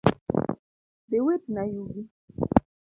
Dhi witna yugi